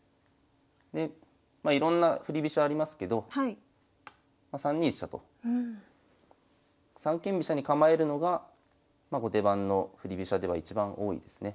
でまあいろんな振り飛車ありますけど３二飛車と三間飛車に構えるのが後手番の振り飛車では一番多いですね。